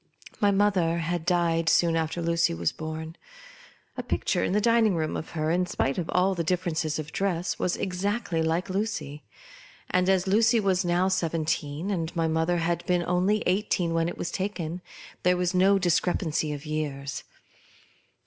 My mother had died soon after Lucy was born. A picture in the dining room of her, in spite of all the difference of dress, was exactly like Lucy ; and, as Lucy was now seventeen and my mother had been only eigh teen when it was taken, there was no discre pancy of years.